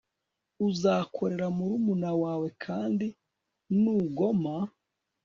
uzakorera murumuna wawe kandi nugoma